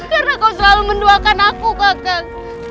karena kau selalu menduakan aku kakak